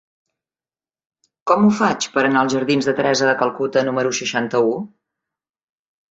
Com ho faig per anar als jardins de Teresa de Calcuta número seixanta-u?